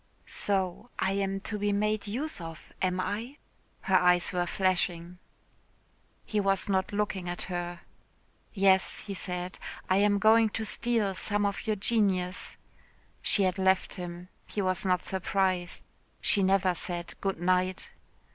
"So I am to be made use of, am I?" Her eyes were flashing. He was not looking at her. "Yes," he said, "I am going to steal some of your genius." She had left him. He was not surprised. She never said "Good night."